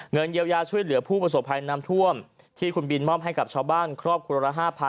เงินเยียวยาช่วยเหลือผู้ประสบภัยน้ำท่วมที่คุณบินมอบให้กับชาวบ้านครอบครัวละ๕๐๐๐